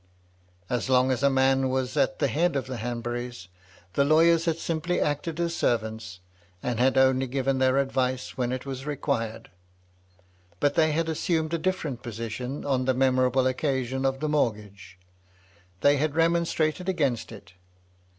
As long as a man was at the head of the Hanburys, the lawyers had simply acted as servants, and had only given their advice when it was required. But they had assumed a different position on the memorable occasion of the mortgage : they had remonstrated against it.